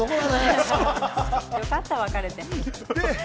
よかった、別れて。